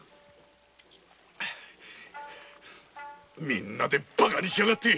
みんなでバカにしやがって！